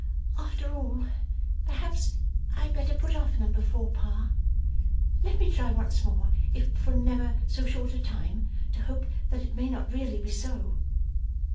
'After all, perhaps I had better put off number four, Pa. Let me try once more, if for never so short a time, to hope that it may not really be so.